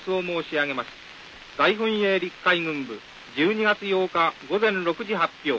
大本営陸海軍部１２月８日午前６時発表。